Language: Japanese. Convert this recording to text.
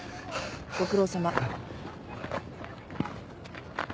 ご苦労さま。